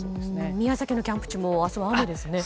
宮崎のキャンプ地も明日は雨ですね。